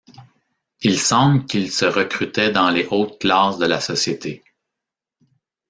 Il semble qu'ils se recrutaient dans les hautes classes de la société.